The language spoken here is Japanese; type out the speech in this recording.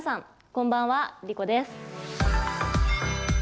こんばんは、莉子です。